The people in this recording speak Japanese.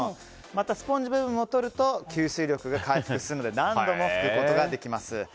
また、スポンジ部分をとると吸水力が回復するので何度も拭くことができます。